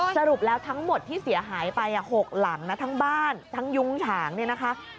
สรุปแล้วทั้งหมดที่เสียหายไป๖หลังนะทั้งบ้านทั้งยุ้งฉางเนี่ยนะคะ